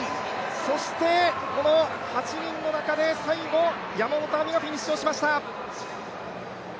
そして８人の中で最後、山本亜美がフィニッシュしました。